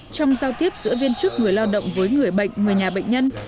trong giao tiếp giữa viên chức người lao động với người bệnh người nhà bệnh nhân